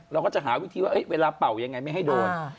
เราก็จะหาวิธีว่าเวลาเป่ายังไงไม่ให้โดน